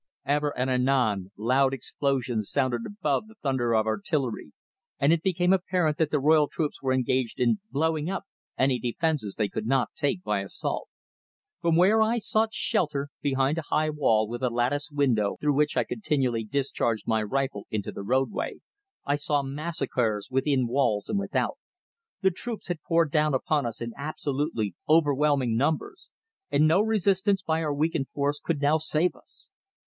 Ever and anon loud explosions sounded above the thunder of artillery, and it became apparent that the royal troops were engaged in blowing up any defences they could not take by assault. From where I had sought shelter behind a high wall with a lattice window through which I continually discharged my rifle into the roadway, I saw massacres within walls and without. The troops had poured down upon us in absolutely overwhelming numbers, and no resistance by our weakened force could now save us.